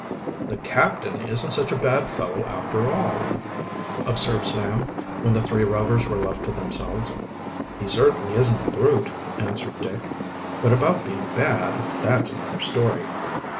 "The captain isn't such a bad fellow, after all," observed Sam, when the three Rovers were left to themselves. "He certainly isn't a brute," answered Dick. "But about being bad, that's another story."